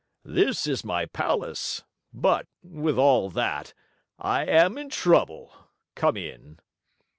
"This is my palace, but, with all that, I am in trouble. Come in."